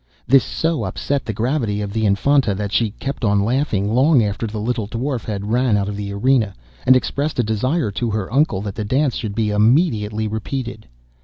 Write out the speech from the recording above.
This so upset the gravity of the Infanta that she kept on laughing long after the little Dwarf had ran out of the arena, and expressed a desire to her uncle that the dance should be immediately repeated.